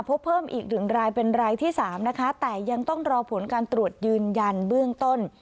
พบเพิ่มอีกหนึ่งรายเป็นรายที่๓นะคะแต่ยังต้องรอผลการตรวจยืนยันเบื้องต้น